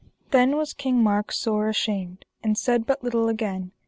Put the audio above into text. Then was King Mark sore ashamed, and said but little again.